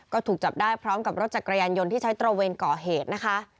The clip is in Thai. ก็ถูกจับได้พร้อมกับรถจักรยานยนต์ที่ใช้ตระเวนก่อเหตุนะคะ